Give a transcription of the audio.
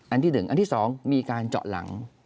อันที่หนึ่งอันที่สองมีการเจาะหลัง